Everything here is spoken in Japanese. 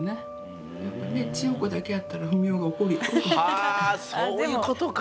はあそういうことか。